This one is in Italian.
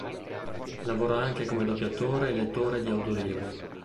Lavora anche come doppiatore e lettore di audiolibri.